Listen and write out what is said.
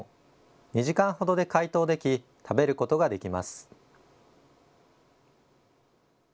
２時間ほどで解凍でき、食べることができます。